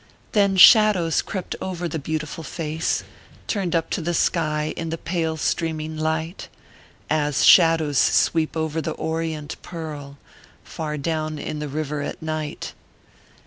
Then shadows crept over the beautiful face Turned up to the sky in the pale streaming light, As shadows sweep over the orient pearl, Far down in the river at night.